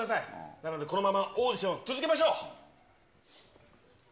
だから、このままオーディション続けましょう。